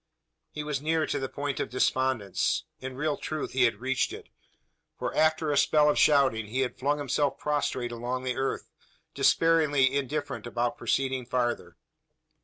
He was near to the point of despondence in real truth, he had reached it: for after a spell of shouting he had flung himself prostrate along the earth, despairingly indifferent about proceeding farther.